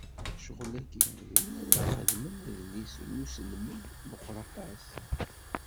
Ccɣel-agi n win ara ixedmen adlis n uselmed meqqer aṭas.